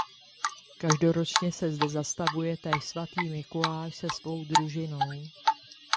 Každoročně se zde zastavuje též svatý Mikuláš se svou družinou.